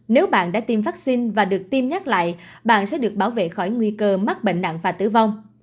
nếu bạn đã tiêm vaccine và được tiêm nhắc lại bạn sẽ được bảo vệ khỏi nguy cơ mắc bệnh nặng và tử vong